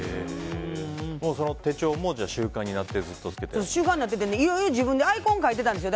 その手帳も習慣になって習慣になっていて、自分でアイコンを描いてたんですよ。